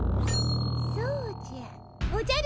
そうじゃ。